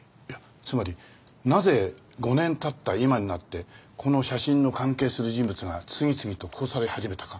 つまりなぜ５年経った今になってこの写真の関係する人物が次々と殺され始めたか。